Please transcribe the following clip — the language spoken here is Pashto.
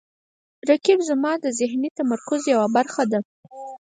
رقیب زما د ذهني تمرکز یوه برخه ده